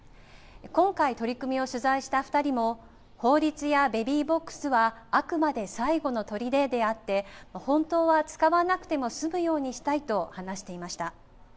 今回、取り組みを取材した２人も、法律やベビーボックスは、あくまで最後のとりでであって、本当は使わなくても済むようにしたいと話していました。